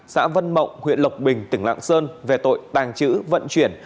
xã vân mộng huyện lộc bình tỉnh lạng sơn về tội tàng trữ vận chuyển